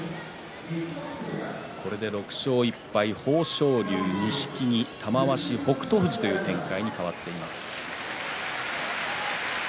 これで６勝１敗豊昇龍、錦木玉鷲、北勝富士という展開に変わっています。